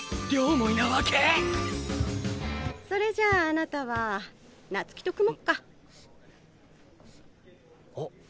それじゃああなたは夏姫と組もっか。